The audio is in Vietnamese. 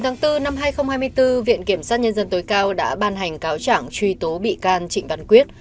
ngày bốn năm hai nghìn hai mươi bốn viện kiểm sát nhân dân tối cao đã ban hành cáo chẳng truy tố bị can trịnh văn quyết